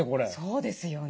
そうですよね。